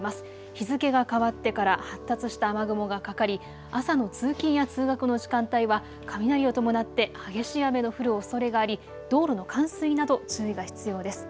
日付が変わってから発達した雨雲がかかり朝の通勤や通学の時間帯は雷を伴って激しい雨の降るおそれがあり道路の冠水など注意が必要です。